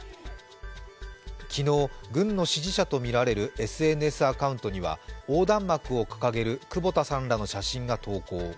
昨日、軍の支持者とみられるＳＮＳアカウントには横断幕を掲げる久保田さんらの写真が投稿。